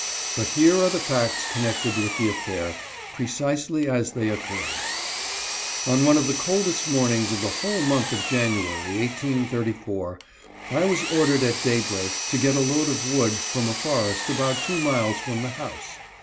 But here are the facts connected with the affair, precisely as they occurred. On one of the coldest mornings of the whole month of January, 1834, I was ordered at daybreak to get a load of wood, from a forest about two miles from the house.